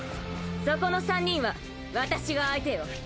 そこの３人は私が相手よ。